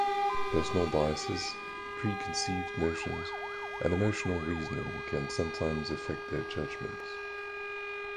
Personal biases, preconceived notions, and emotional reasoning can sometimes affect their judgments.